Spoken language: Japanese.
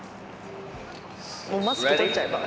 マスク取っちゃえば？